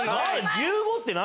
１５って何？